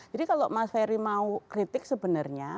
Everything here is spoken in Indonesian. jadi kalau mas ferry mau kritik sebenarnya